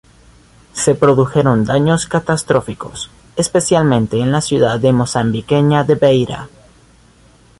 Se produjeron daños catastróficos, especialmente en la ciudad mozambiqueña de Beira.